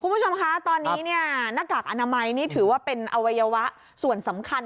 คุณผู้ชมคะตอนนี้เนี่ยหน้ากากอนามัยนี่ถือว่าเป็นอวัยวะส่วนสำคัญ